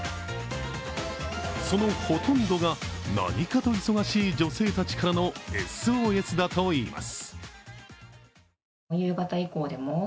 そのほとんどが、何かと忙しい女性たちからのＳＯＳだといいます。